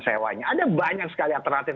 sewanya ada banyak sekali alternatif